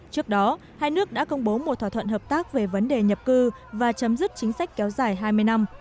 trước đó hai nước đã công bố một thỏa thuận hợp tác về vấn đề nhập cư và chấm dứt chính sách kéo dài hai mươi năm